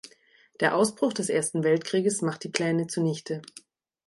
Der Ausbruch des Ersten Weltkrieges macht die Pläne zunichte.